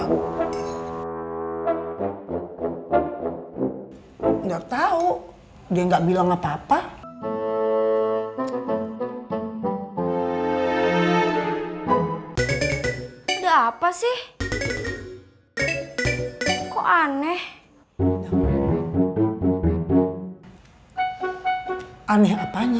lagi kemana enggak tahu dia nggak bilang apa apa udah apa sih kok aneh aneh apanya